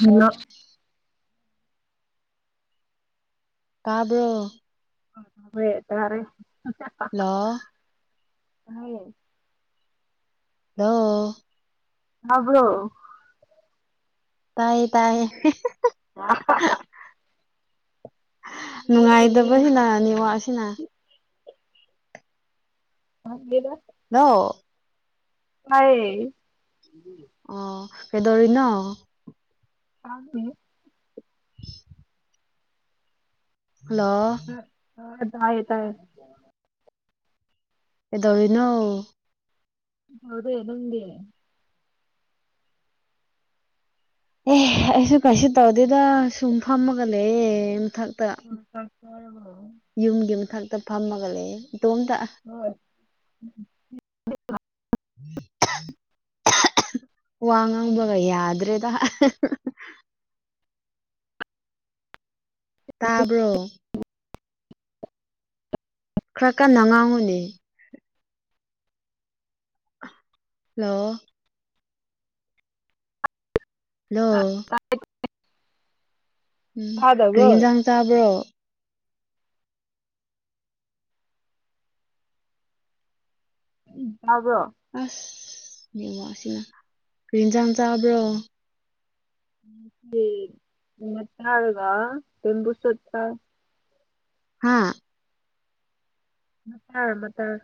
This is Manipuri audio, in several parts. ꯍꯜꯂꯣ ꯇꯥꯕ꯭ꯔꯣ ꯍꯣꯏ ꯇꯔꯦ ꯍꯜꯂꯣ ꯍꯥꯏ ꯍꯂꯣ ꯍꯥꯕ꯭ꯔꯣ ꯇꯥꯏꯌꯦ ꯇꯥꯏꯌꯦ [unintelligible] ꯅꯨꯡꯉꯥꯏꯇꯕꯁꯤꯅ ꯇꯥꯏꯌꯦ ꯅꯤꯋꯠꯁꯤꯅ [unintelligible] ꯍꯜꯂꯣ ꯍꯥꯏ ꯑꯣ ꯀꯗꯧꯔꯤꯅꯣ ꯈꯪꯗꯦ [unintelligible] ꯍꯜꯂꯣ [unintelligible] ꯀꯩꯗꯧꯔꯤꯅꯣ ꯇꯧꯗꯦ ꯅꯪꯗꯤ ꯑꯦ ꯑꯩꯁꯨ ꯀꯩꯁꯨ ꯇꯧꯗꯦꯗ ꯁꯨꯝ ꯐꯝꯃꯒ ꯂꯩꯌꯦ ꯃꯊꯛꯇ ꯂꯣꯏꯔꯕꯣ ꯌꯨꯝꯒꯤ ꯃꯊꯛꯇ ꯐꯝꯃꯒ ꯂꯩꯌꯦ ꯏꯇꯣꯝꯇ ꯍꯣꯏ [unintelligible] [unintelligible] ꯋꯥꯉꯪꯕꯒ ꯌꯥꯗ꯭ꯔꯦꯗ ꯇꯥꯕ꯭ꯔꯣ ꯈꯔ ꯀꯟꯅ ꯉꯥꯡꯉꯨꯅꯦ ꯍꯜꯂꯣ ꯍꯜꯂꯣ ꯎꯝ ꯇꯥꯗꯕ꯭ꯔꯣ ꯀꯩꯍꯤꯖꯥꯡ ꯆꯥꯕ꯭ꯔꯣ ꯎꯝ ꯑꯁ ꯅꯦꯋꯥꯛ ꯁꯤꯅ ꯀꯩꯖꯥꯡ ꯆꯕ꯭ꯔꯣ [unintelligible] ꯍꯥꯥ ꯃꯇꯥꯔ ꯃꯇꯥꯔ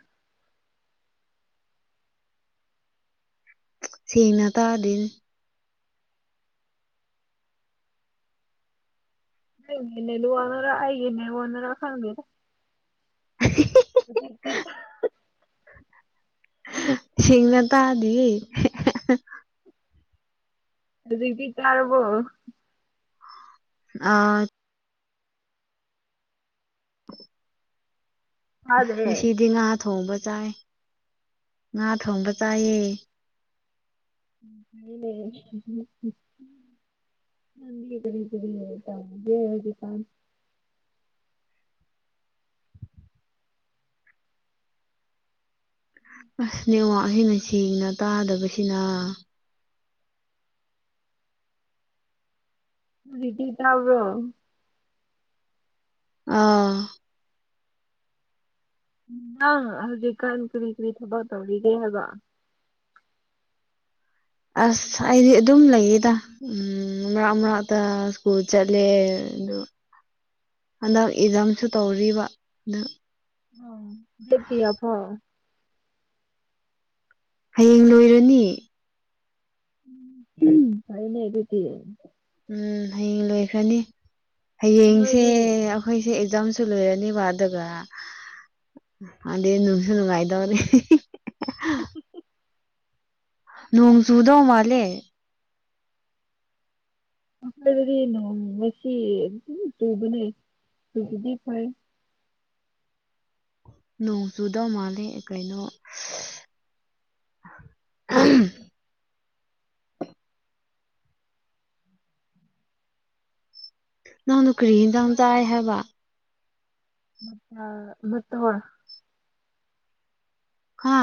ꯁꯦꯡꯅ ꯇꯥꯗꯦꯅꯦ ꯅꯪꯒꯤ ꯅꯦꯋꯥꯛꯅꯔ ꯑꯩꯒꯤ ꯅꯦꯋꯥꯛꯅꯔ ꯈꯪꯗꯦꯗ [inaudible] [unintelligible] ꯁꯦꯡꯅ ꯇꯥꯗꯌꯦ ꯑꯗꯨꯗꯤ ꯇꯥꯔꯕꯣ ꯑꯥ ꯇꯥꯗ꯭ꯔꯦ ꯉꯁꯤꯗꯤ ꯉꯥ ꯊꯣꯡꯕ ꯆꯥꯏ ꯉꯥ ꯊꯣꯡꯕ ꯆꯥꯏꯌꯦ [unintelligible] ꯉꯗꯤ ꯀꯔꯤ ꯀꯔꯤ ꯇꯒꯖꯤ ꯀꯝ ꯑꯁ ꯅꯦꯠꯋꯥꯛꯁꯤꯅ ꯁꯦꯡꯅ ꯇꯥꯗꯕꯁꯤꯅ ꯗꯤ ꯇꯕ꯭ꯔꯣ ꯑꯥ ꯑꯥ ꯍꯧꯖꯤꯛ ꯀꯅ ꯀꯔꯤ ꯀꯔꯤ ꯊꯕꯛ ꯇꯧꯔꯤꯒ ꯍꯥꯏꯕ ꯑꯁ ꯑꯩꯗꯤ ꯑꯗꯨꯝ ꯂꯩꯌꯦꯗ ꯎꯝ ꯃꯔꯛ ꯃꯔꯛꯇ ꯁ꯭ꯀꯨꯜ ꯆꯠꯂꯦ [unintelligible] [inaudible] ꯍꯟꯗꯛ ꯏꯔꯥꯡꯁꯨ ꯇꯧꯔꯤꯕ ꯑꯗ [unintelligible] ꯍꯌꯦꯡ ꯂꯣꯏꯔꯅꯤ ꯀꯥꯏꯅꯦꯗꯤꯗꯤ ꯎꯝ ꯍꯌꯦꯡ ꯂꯣꯏꯈ꯭ꯔꯅꯤ ꯍꯌꯦꯡꯁꯦ ꯅꯣꯏꯗꯤ ꯑꯩꯈꯣꯏꯁꯦ ꯏꯛꯖꯥꯝ [unintelligible] ꯂꯣꯏꯔꯅꯤ ꯑꯗꯨꯒ ꯑꯗ ꯅꯨꯡꯁꯨꯅꯨꯡꯉꯥꯏ ꯇꯧꯅ ꯅꯣꯡꯆꯨꯗꯣ ꯃꯥꯂꯦ ꯑꯥ ꯑꯗꯨꯗꯤ ꯅꯣꯡ ꯉꯁꯤ ꯑꯗꯨꯝ ꯆꯨꯕꯅꯦ ꯇꯁꯤꯗꯤ ꯐꯥꯏ ꯅꯣꯡ ꯆꯨꯗꯧ ꯃꯥꯜꯂꯦ ꯀꯩꯅꯣ ꯑꯝ ꯅꯪꯗꯣ ꯀꯔꯤ ꯍꯤꯖꯥꯡ ꯆꯥꯏ ꯍꯥꯏꯕ ꯃꯇꯥ ꯃꯠ ꯍꯣ ꯍꯥ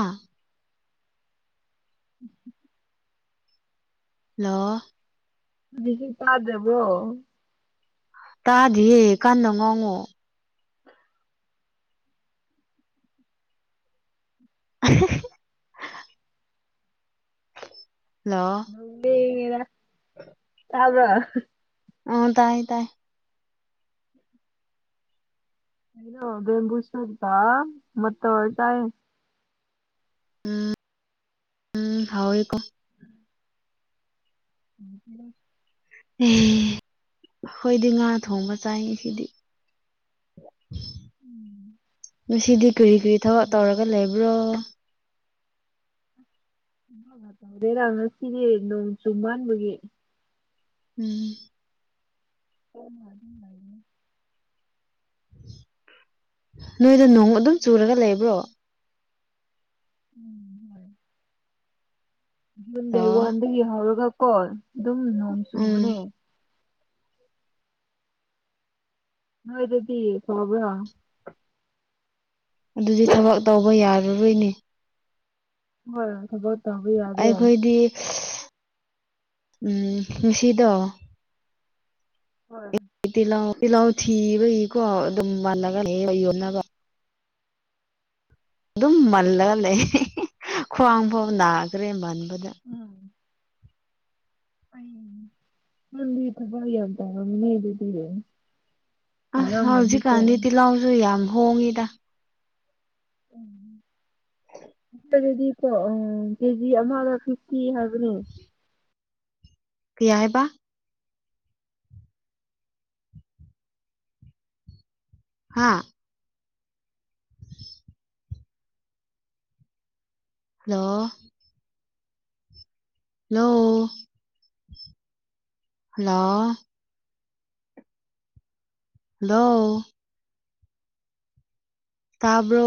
[inaudible] ꯂꯣ ꯖꯤꯁꯤ ꯇꯥꯗ꯭ꯔꯕꯣ ꯇꯥꯗꯤꯌꯦ ꯀꯥꯟꯅ ꯉꯥꯡꯉꯣ ꯑꯍꯤ ꯍꯤ ꯅꯨꯡꯗꯤꯒꯤꯗ꯭ꯔꯥ [inaudible] ꯇꯥꯕ꯭ꯔ ꯑ ꯇꯥꯏ ꯇꯥꯏ ꯀꯩꯅꯣ ꯕꯦꯝꯕꯨ ꯁꯨꯠꯀ ꯃ ꯇꯧꯔ ꯆꯥꯔꯦ ꯎꯝ ꯎꯝ ꯍꯥꯎꯏꯀꯣ [unintelligible] ꯑꯦ ꯍꯣꯏꯗꯤ ꯉꯥ ꯊꯣꯡꯕ ꯆꯥꯏ ꯉꯁꯤꯗꯤ ꯎꯝ ꯉꯁꯤꯗꯤ ꯀ꯭ꯔꯤ ꯀ꯭ꯔꯤ ꯊꯕꯛ ꯇꯧꯔꯒ ꯂꯩꯕ꯭ꯔꯣ ꯇꯧꯗꯦꯗꯥ ꯉꯁꯤꯗꯤ ꯅꯣꯡ ꯆꯨꯃꯥꯟꯕꯒꯤ ꯎꯝ [unintelligible] ꯅꯣꯏꯗ ꯅꯣꯡ ꯑꯗꯨꯝ ꯆꯨꯔꯒ ꯂꯩꯕ꯭ꯔꯣ ꯎꯝ ꯍꯣꯏ ꯖꯨꯟ ꯗꯦꯠ ꯂꯣ ꯋꯥꯟꯗꯒꯤ ꯍꯧꯔꯒꯀꯣ ꯑꯗꯨꯝ ꯅꯣꯡ ꯎꯝ ꯆꯨꯕꯅꯦ ꯅꯣꯏꯗꯗꯤ ꯐꯕ꯭ꯔꯥ ꯑꯗꯨꯗꯤ ꯊꯕꯛ ꯇꯧꯕ ꯌꯥꯔꯔꯣꯏꯅꯦ ꯍꯣꯏ ꯊꯕꯛ ꯇꯧꯕ ꯌꯥꯗꯦ ꯑꯩꯈꯣꯏꯗꯤ ꯎꯝ ꯉꯥꯁꯤꯗꯣ ꯍꯣꯏ ꯇꯤꯜꯍꯥꯎ ꯇꯤꯜꯍꯥꯎ ꯊꯤꯕꯒꯤꯀꯣ ꯑꯗꯨꯝ ꯃꯥꯟꯅꯒ ꯂꯩꯌꯦ ꯂꯩ ꯌꯣꯟꯅꯕ ꯑꯗꯨꯝ ꯃꯜꯂꯒ ꯂꯩ ꯈ꯭ꯋꯥꯡ ꯐꯩ ꯅꯥꯈ꯭ꯔꯦ ꯃꯟ ꯑꯝ ꯅꯪꯗꯤ ꯊꯕꯛ ꯌꯥꯝ ꯇꯧꯔꯝꯃꯤꯅꯦ ꯗꯨꯗꯤ ꯑꯥꯏ ꯍꯥꯎꯖꯤꯛꯀꯥꯟꯗꯤ ꯇꯤꯜꯍꯧꯁꯨ ꯌꯥꯝ ꯍꯣꯡꯉꯤꯗ ꯑꯗꯨꯗꯤ ꯀꯣ ꯎꯝ ꯀꯦꯖꯤ ꯑꯃꯒ ꯐꯤꯐꯇꯤ ꯍꯥꯏꯕꯅꯦ ꯀꯩ ꯍꯥꯏꯕ ꯍꯥꯥ ꯍꯜꯂꯣ ꯂꯣ ꯍꯜꯂꯣ ꯍꯜꯂꯣ ꯇꯥꯕ꯭ꯔꯣ